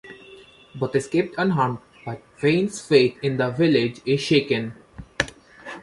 Both escape unharmed, but Vianne's faith in the village is shaken.